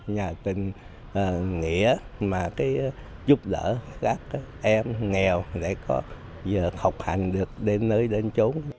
nhà tình nghĩa mà giúp đỡ các em nghèo để học hành được đến nơi đến chốn